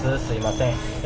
すみません。